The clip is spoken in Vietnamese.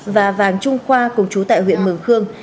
và vàng trung khoa cùng chú tại huyện mường khương